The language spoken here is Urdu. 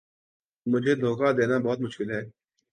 مجھے دھوکا دینا بہت مشکل ہے